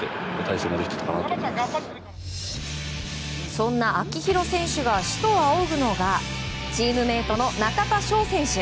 そんな秋広選手が師と仰ぐのがチームメートの中田翔選手。